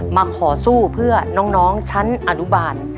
มาขอสู้เพื่อน้องชั้นอนุบาล